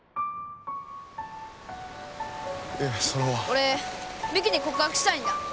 俺美紀に告白したいんだ。